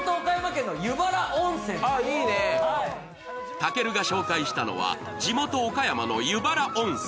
たけるが紹介したのは、地元・岡山の湯原温泉。